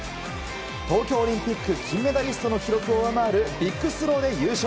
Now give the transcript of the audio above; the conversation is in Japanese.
東京オリンピック金メダリストの記録を上回るビッグスローで優勝。